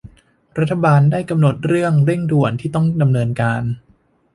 รัฐบาลได้กำหนดเรื่องเร่งด่วนที่ต้องดำเนินการ